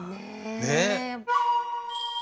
ねえ。